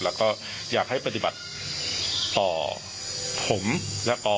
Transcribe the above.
แล้วก็อยากให้ปฏิบัติต่อผมแล้วก็